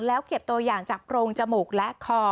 แล้วเก็บตัวอย่างจากโพรงจมูกและคอ